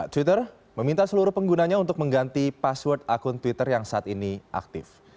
twitter meminta seluruh penggunanya untuk mengganti password akun twitter yang saat ini aktif